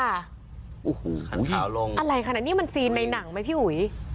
ขังขาวลงอะไรขนาดนี้นี่มันซีนในหนังไหมพี่หุย